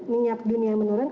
minyak dunia yang menurun